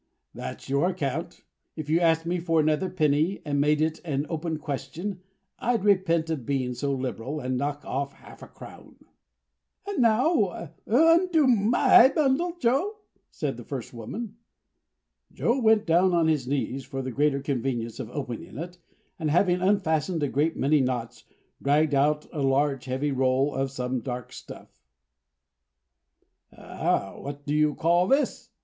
"That's your account. If you asked me for another penny, and made it an open question, I'd repent of being so liberal, and knock off half a crown." "And now undo my bundle, Joe," said the first woman. Joe went down on his knees for the greater convenience of opening it, and having unfastened a great many knots, dragged out a large heavy roll of some dark stuff. "What do you call this?"